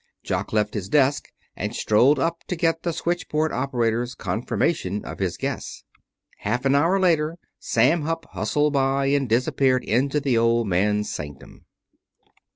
Jock left his desk and strolled up to get the switchboard operator's confirmation of his guess. Half an hour later Sam Hupp hustled by and disappeared into the Old Man's sanctum.